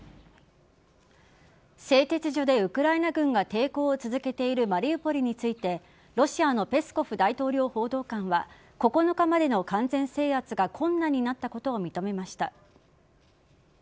製鉄所でウクライナ軍が抵抗を続けているマリウポリについてロシアのペスコフ大統領報道官は９日までの完全制圧が困難になったことを認めました。